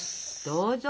どうぞ。